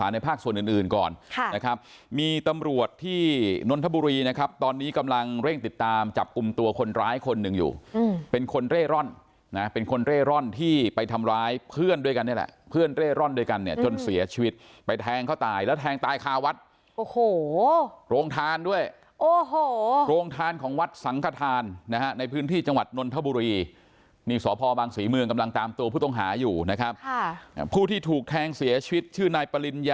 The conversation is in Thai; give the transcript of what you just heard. ในภาคส่วนอื่นก่อนนะครับมีตำรวจที่นทบุรีนะครับตอนนี้กำลังเร่งติดตามจับกุมตัวคนร้ายคนหนึ่งอยู่เป็นคนเร่ร่อนนะเป็นคนเร่ร่อนที่ไปทำร้ายเพื่อนด้วยกันนี่แหละเพื่อนเร่ร่อนด้วยกันเนี่ยจนเสียชีวิตไปแทงเขาตายแล้วแทงตายคาวัดโอ้โหโรงทานด้วยโอ้โหโรงทานของวัดสังฆทานนะฮะในพื้นที่จังหวัดนท